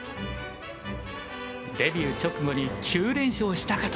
デビュー直後に９連勝したかと思えば。